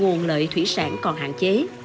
bảo vệ nguồn lợi thủy sản còn hạn chế